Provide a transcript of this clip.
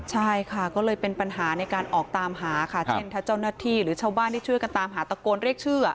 ใช่ค่ะก็เลยเป็นปัญหาในการออกตามหาค่ะเช่นถ้าเจ้าหน้าที่หรือชาวบ้านที่ช่วยกันตามหาตะโกนเรียกชื่อ